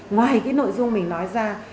ngoài cái nội dung mình nói ra